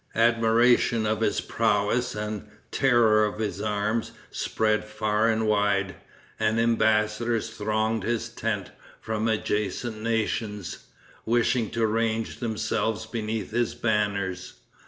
Admiration of his prowess and the terror of his arms spread far and wide, and embassadors thronged his tent from adjacent nations, wishing to range themselves beneath his banners.